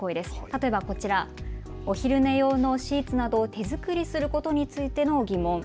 例えばこちら、お昼寝用のシーツなどを手作りすることについての疑問。